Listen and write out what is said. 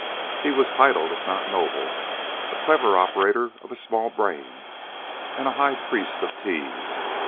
He was titled if not noble, a clever operator of a small brain, and a high priest of teas.